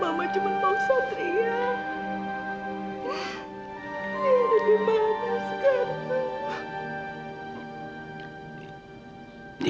mama cuman mau satria